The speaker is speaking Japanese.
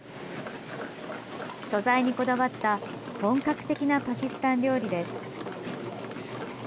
素材にこだわった本格的なパキスタン料理です。